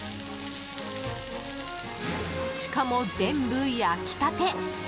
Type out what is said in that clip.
しかも、全部焼きたて！